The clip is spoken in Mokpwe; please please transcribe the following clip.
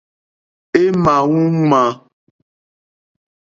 É ǃmá wúŋmā.